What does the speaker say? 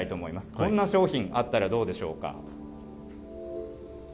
こんな商品、あったらどうでしょうか。